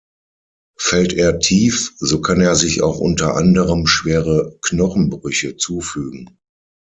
Fällt er tief, so kann er sich auch unter anderem schwere Knochenbrüche zufügen.